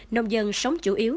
nông dân sống chủ yếu